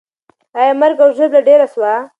آیا مرګ او ژوبله ډېره سوه؟